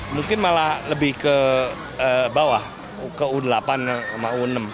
mungkin malah lebih ke bawah ke u delapan sama u enam